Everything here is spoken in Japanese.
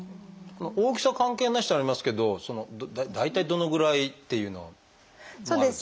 「大きさ関係なし」とありますけど大体どのぐらいっていうのはあるんですか？